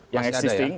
yang masih ada ya